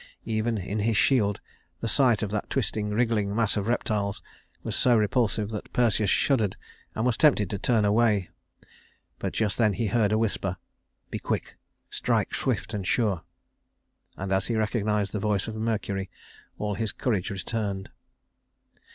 Even in his shield the sight of that twisting, wriggling mass of reptiles was so repulsive that Perseus shuddered and was tempted to turn away; but just then he heard a whisper. "Be quick. Strike swift and sure;" and as he recognized the voice of Mercury, all his courage returned.